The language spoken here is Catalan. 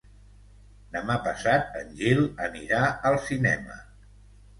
Demà passat en Gil anirà al cinema.